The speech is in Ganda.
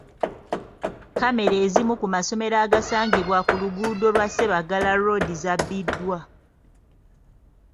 Kkamera ezimu ku masomero agasangibwa ku luguudo lwa Ssebaggala Road zabbiddwa.